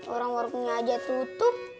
orang orangnya aja tutup